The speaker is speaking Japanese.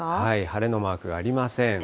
晴れのマークがありません。